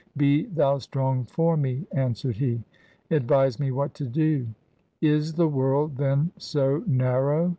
'Be thou strong for me,' an swered he. 'Advise me what to do.' 'Is the world, then, so narrow?'